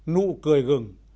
nụ cười gừng